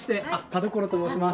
田所と申します。